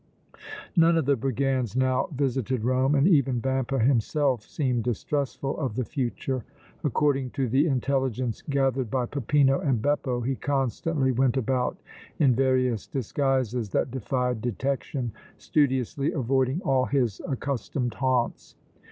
None of the brigands now visited Rome and even Vampa himself seemed distrustful of the future. According to the intelligence gathered by Peppino and Beppo he constantly went about in various disguises that defied detection, studiously avoiding all his accustomed haunts.